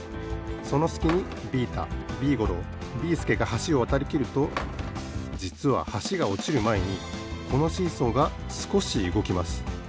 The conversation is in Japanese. そのすきにビータビーゴロービーすけがはしをわたりきるとじつははしがおちるまえにこのシーソーがすこしうごきます。